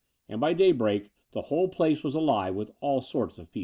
And by daybreak the whole place was alive with all sorts of people.